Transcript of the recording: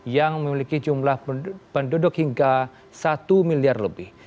yang memiliki jumlah penduduk hingga satu miliar lebih